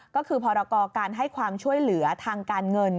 ก็คือพรกรการให้ความช่วยเหลือทางการเงิน